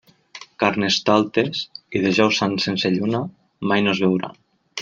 Carnestoltes i Dijous Sant sense lluna mai no es veuran.